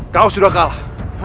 kau sudah kalah